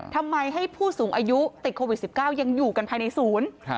ทำไมให้ผู้สูงอายุติดโควิด๑๙ยังอยู่กันภายในศูนย์